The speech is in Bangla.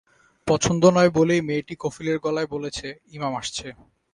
পছন্দ নয় বলেই মেয়েটি কফিলের গলায় বলেছে-ইমাম আসছে।